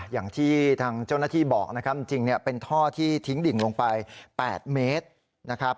อย่างที่ทางเจ้าหน้าที่บอกนะครับจริงเป็นท่อที่ทิ้งดิ่งลงไป๘เมตรนะครับ